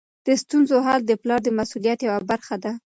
د ستونزو حل د پلار د مسؤلیت یوه برخه ده.